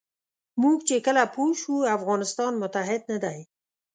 موږ چې کله پوه شو افغانستان متحد نه دی.